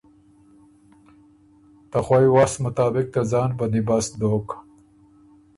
ته خوئ وست مطابق ته ځان بندیبست دوک۔